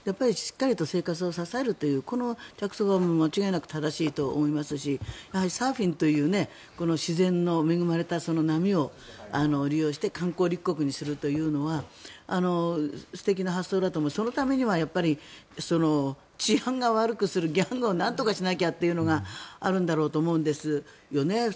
しっかりと生活を支えるというこの着想が間違いなく正しいと思いますしサーフィンという自然の恵まれた波を利用して観光立国にするというのは素敵な発想だと思うしそのためには治安を悪くするギャングをなんとかしなきゃというのがあるんだろうと思うんですよね。